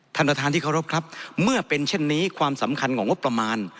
ท่านประธานที่เคารพครับเมื่อเป็นเช่นนี้ความสำคัญของงบประมาณ